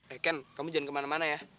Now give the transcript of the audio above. eh ken kamu jangan kemana mana ya